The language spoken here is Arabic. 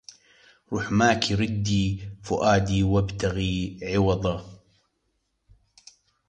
رحماكِ رُدّى فؤادي وابتغى عوضاً